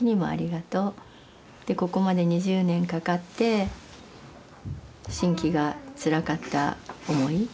でここまで２０年かかって真気がつらかった思い。